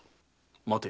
待て。